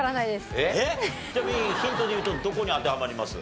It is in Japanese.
えっ？ヒントで言うとどこに当てはまります？